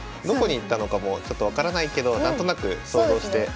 どこに行ったのかもちょっと分からないけど何となく想像して。